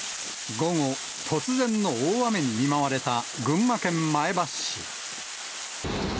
午後、突然の大雨に見舞われた群馬県前橋市。